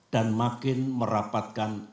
dan makin merapatkan